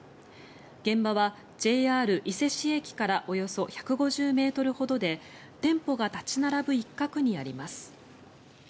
現場はＪＲ伊勢市駅からおよそ１５０ｍほどで店舗が立ち並ぶ一角にあります。